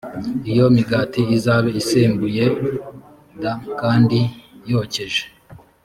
iyo migati izabe isembuwe d kandi yokeje